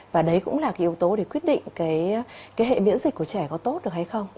và đấy cũng là yếu tố để quyết định hệ miễn dịch của trẻ có tốt được hay không